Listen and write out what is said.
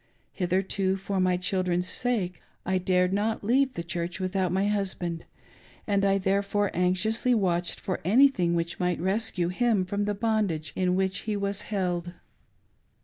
Hitherto; for my children's sake, I dared not leave the Church without my husband, and I therefore anxiously watched for anything which might rescue him from the bondage in which he was held.